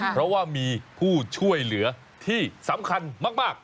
เพราะว่ามีผู้ช่วยเหลือที่สำคัญมาก